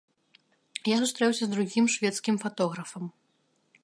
Я сустрэўся з другім шведскім фатографам.